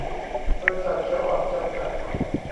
บริษัท เขียวอ่อน จำกัด